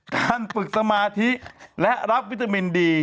การฝึกสมาธิและรับวิตามินดี